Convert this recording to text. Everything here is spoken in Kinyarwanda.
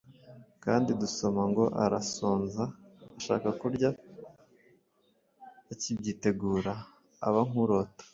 kandi dusoma ngo: ” arasonza, ashaka kurya, bakibyitegura aba nk’urota,”